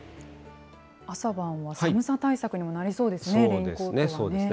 朝晩は寒さ対策にもなりそうですね、レインコートはね。